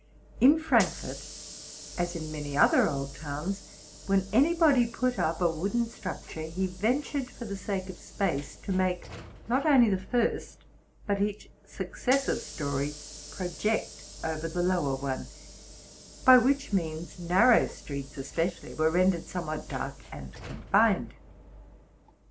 In Frank fort, as in many other old towns, when anybody put up a wooden structure, he ventured, for the sake of space, to make, not only the first, but each successive, story project over the lower one, by which means narrow streets especially were rendered somewhat dark and confined.